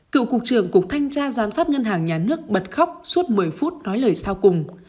cựu cục trưởng cục thanh tra giám sát ngân hàng nhà nước bật khóc suốt một mươi phút nói lời sau cùng